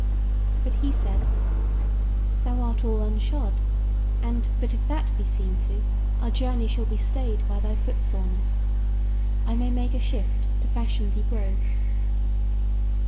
But he said: "Thou art all unshod; and but if that be seen to, our journey shall be stayed by thy foot soreness: I may make a shift to fashion thee brogues."